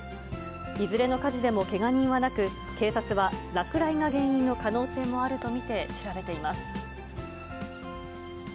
いずれの火事でもけが人はなく、警察は落雷が原因の可能性もあると見て調べています。